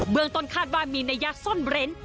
เมืองต้นคาดว่ามีนัยยะซ่อนเร้น